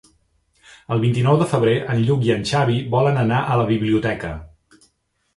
El vint-i-nou de febrer en Lluc i en Xavi volen anar a la biblioteca.